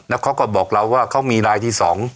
แล้วเขาก็บอกเราว่าเขามีรายที่๒